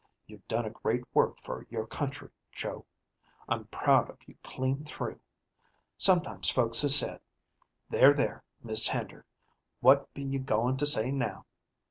You've done a great work for your country, Joe. I'm proud of you clean through. Sometimes folks has said, 'There, there, Mis' Hender, what be you goin' to say now?'